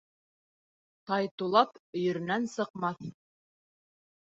Тай тулап, өйөрөнән сыҡмаҫ.